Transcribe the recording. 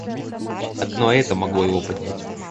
Одно это могло его поднять.